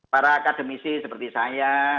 para akademisi seperti saya